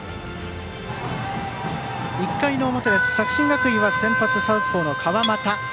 １回の表、作新学院は先発サウスポーの川又。